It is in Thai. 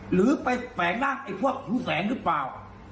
หรือไปแฝงร่างไอ้พวกครูแสงหรือเปล่า